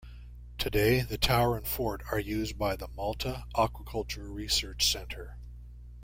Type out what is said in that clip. Today, the tower and fort are used by the Malta Aquaculture Research Centre.